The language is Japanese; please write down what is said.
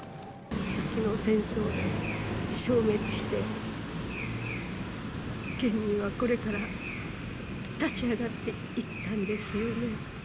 戦争で消滅して、県民はこれから立ち上がっていったんですよね。